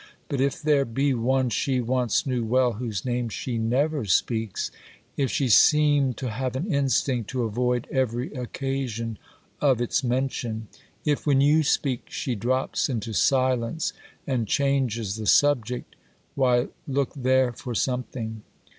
but if there be one she once knew well, whose name she never speaks,—if she seem to have an instinct to avoid every occasion of its mention,—if, when you speak, she drops into silence and changes the subject,—why, look there for something!